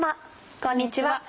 こんにちは。